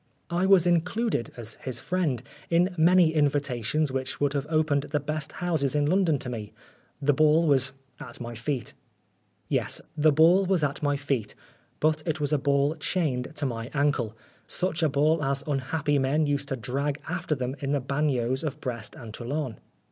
I was included, as his friend, in many invitations which would have opened the best houses in London to me. The ball was at my feet. Yes, the ball was at my feet, but it was a ball chained to my ankle such a ball as unhappy men used to drag after them in the bagnios of Brest and Toulon.